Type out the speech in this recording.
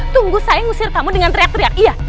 tunggu saya ngusir kamu dengan teriak teriak iya